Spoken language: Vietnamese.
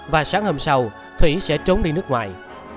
và sáng hôm sau thủy sẽ trốn đi nước ngoài